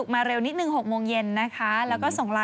ให้หวยถูกไง